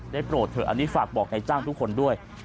โปรดเถอะอันนี้ฝากบอกในจ้างทุกคนด้วย